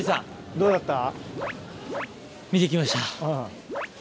どうだった？